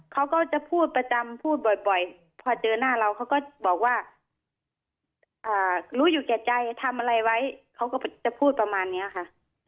เขาก็จะพูดประจำพูดบ่อยพอเจอหน้าเราเขาก็บอกว่ารู้อยู่แก่ใจทำอะไรไว้เขาก็จะพูดประมาณนี้ค่ะ